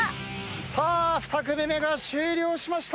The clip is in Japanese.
さあ２組目が終了しました。